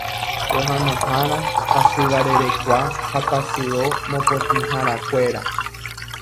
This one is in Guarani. Pohãnohára, hasyvarerekua ha tasyo mopotĩharakuéra